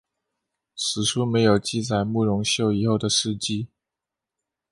史书没有记载慕容秀以后的事迹。